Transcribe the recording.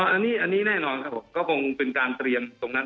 อันนี้แน่นอนครับผมก็คงเป็นการเตรียมตรงนั้น